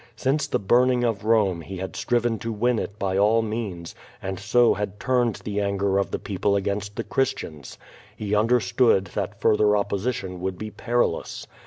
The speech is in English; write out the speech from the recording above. Since the burning of Rome he had striven to win it by all means, and so had turned the anger of the people against the Christians, lie understood that further opposition would be perilous.